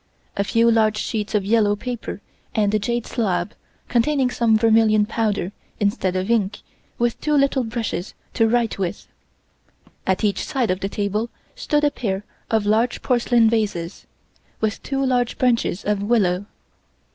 A few large sheets of yellow paper and a jade slab, containing some vermilion powder instead of ink, with two little brushes to write with. At each side of the table stood a pair of large porcelain vases, with two large branches of willow.